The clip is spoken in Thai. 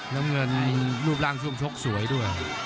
น้ำเงินรูปร่างช่วงชกสวยด้วย